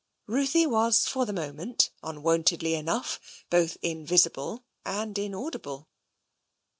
Ruthie was for the moment, unwontedly enough, both invisible and inaudible.